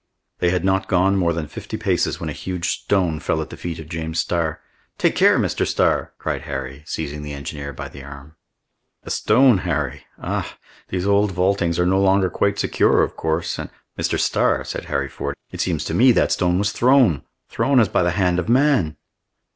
They had not gone more than fifty paces, when a huge stone fell at the feet of James Starr. "Take care, Mr. Starr!" cried Harry, seizing the engineer by the arm. "A stone, Harry! Ah! these old vaultings are no longer quite secure, of course, and—" "Mr. Starr," said Harry Ford, "it seems to me that stone was thrown, thrown as by the hand of man!"